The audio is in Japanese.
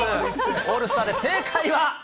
オールスターで、正解は。